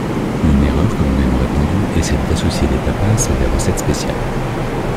Une erreur communément répandue est celle d'associer des tapas à des recettes spéciales.